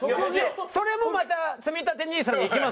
それもまたつみたてＮＩＳＡにいきますから。